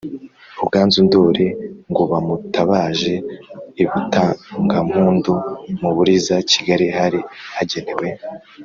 ruganzu ndori ngobamutabaje i butangampundu mu buriza (kigali) hari hagenewe